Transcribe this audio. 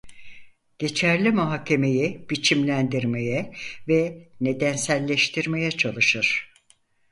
Geçerli muhakemeyi biçimlendirmeye ve nedenselleştirmeye çalışır.